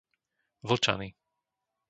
Vlčany